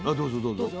どうぞ。